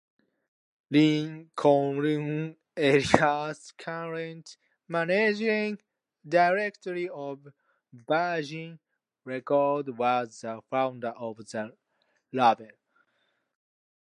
Lincoln Elias, currently Managing Director of Virgin Records, was the founder of the label.